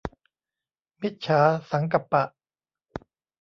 มิจฉาสังกัปปะ